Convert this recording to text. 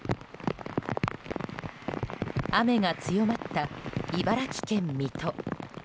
雨が強まった茨城県水戸。